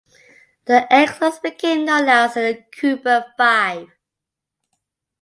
The exiles became known as the Cuba Five.